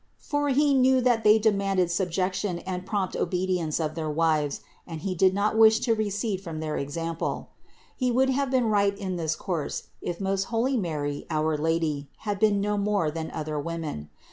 For he knew that they demanded subjection and prompt obedience of their wives, and he did not wish to THE INCARNATION 307 recede from their example. He would have been right in this course if most holy Mary, our Lady, had been no more than other women.